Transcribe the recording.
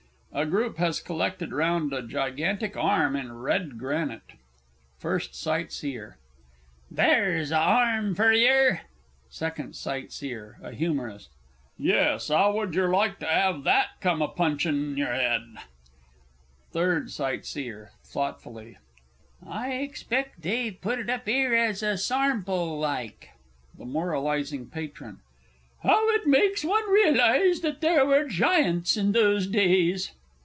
A Group has collected round a Gigantic Arm in red granite. FIRST SIGHTSEER. There's a arm for yer! SECOND S. (a humourist). Yes; 'ow would yer like to 'ave that come a punching your 'ed? THIRD S. (thoughtfully). I expect they've put it up 'ere as a sarmple like. THE MORALIZING MATRON. How it makes one realize that there were giants in those days!